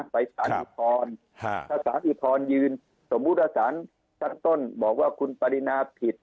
ไปสารอุทธรณ์ถ้าสารอุทธรณ์ยืนสมมุติว่าสารชั้นต้นบอกว่าคุณปรินาผิด